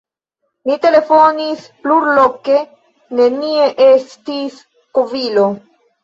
Ni telefonis plurloke: nenie estis kovilo.